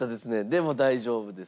でも大丈夫です。